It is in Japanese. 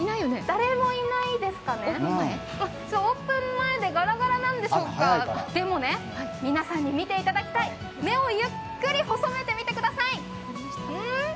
誰もいないですかね、オープン前でガラガラなんでしょうか、でもね、皆さんに見ていただきたい目をゆっくり細めて見てください。